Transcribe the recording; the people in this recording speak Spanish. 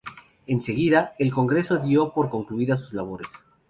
Enseguida, el Congreso dio por concluida sus labores.